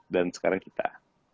dan sekarang kita